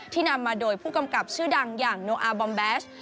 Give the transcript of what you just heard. นำมาโดยผู้กำกับชื่อดังอย่างโนอาร์บอมแบช